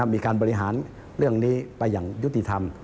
มีการบริหารเรื่องนี้ไปอย่างยุติธรรม